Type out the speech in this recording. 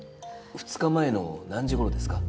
２日前の何時頃ですか？